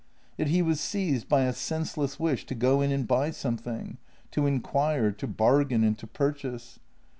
Yet he was seized by a senseless wish to go in and buy something — to inquire, to bargain, and to purchase.